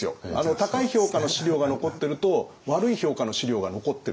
高い評価の史料が残ってると悪い評価の史料が残ってる。